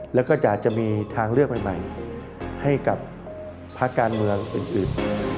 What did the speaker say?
แล้วก็จะมีทางเลือกใหม่ให้กับภาคการเมืองอื่น